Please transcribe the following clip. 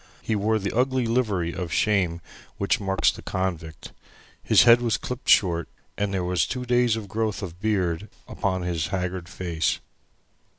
He wore the ugly livery of shame which marks the convict. His head was clipped short, and there was two days' growth of beard upon his haggard face.